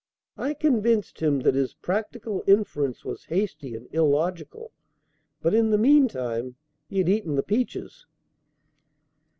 I convinced him that his practical inference was hasty and illogical, but in the mean time he had eaten the peaches.